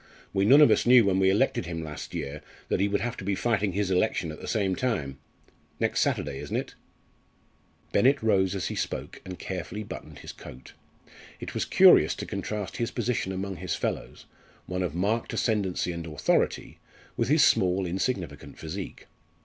We none of us knew when we elected him last year that he would have to be fighting his election at the same time. Next Saturday, isn't it?" Bennett rose as he spoke and carefully buttoned his coat. It was curious to contrast his position among his fellows one of marked ascendency and authority with his small insignificant physique.